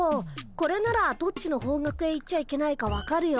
これならどっちの方角へ行っちゃいけないか分かるよ。